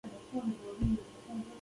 ایا انرژي څښاک څښئ؟